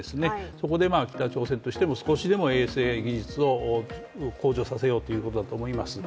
そこで北朝鮮としても少しでも衛星技術を向上させようということだと思います。